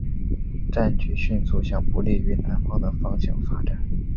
战局迅速向不利于南方的方向发展。